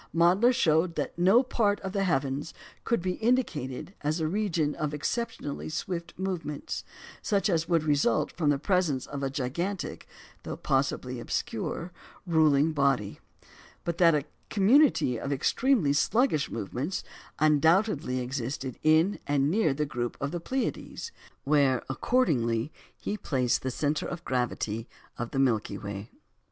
Mädler showed that no part of the heavens could be indicated as a region of exceptionally swift movements, such as would result from the presence of a gigantic (though possibly obscure) ruling body; but that a community of extremely sluggish movements undoubtedly existed in and near the group of the Pleiades, where, accordingly, he placed the centre of gravity of the Milky Way.